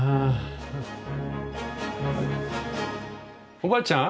おばあちゃん？